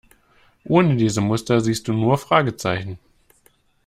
Ohne diese Muster siehst du nur Fragezeichen.